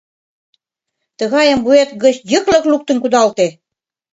Тыгайым вует гыч йыклык луктын кудалте!